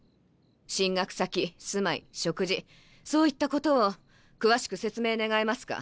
進学先住まい食事そういったことを詳しく説明願えますか？